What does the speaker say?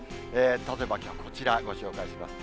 例えばこちら、ご紹介します。